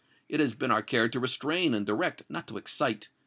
It has been our care to restrain and direct, not to excite.